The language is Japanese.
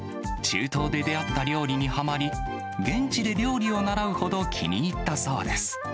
中東で出会った料理にはまり、現地で料理を習うほど、気に入ったそうです。